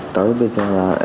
tới bây giờ em